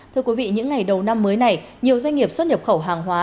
thưa quý vị những ngày đầu năm mới này nhiều doanh nghiệp xuất nhập khẩu hàng hóa